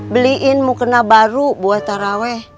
beliin mukena baru buat taraweh